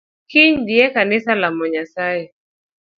Kiny dhiye kanisa lamo nyasaye.